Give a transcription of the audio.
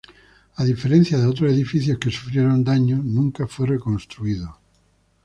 A diferencia de otros edificios que sufrieron daños, nunca fue reconstruido.